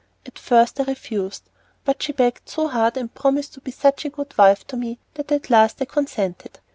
At first I refused, but she begged so hard and promised to be such a good wife to me, that at last I consented.